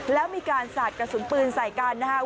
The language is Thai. แล้วมีการสาดกระสุนปืนใส่กันนะครับ